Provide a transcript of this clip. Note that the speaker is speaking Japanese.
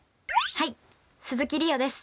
はい鈴木梨予です。